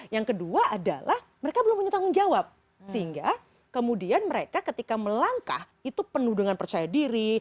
yang kedua adalah mereka belum punya tanggung jawab sehingga kemudian mereka ketika melangkah itu penuh dengan percaya diri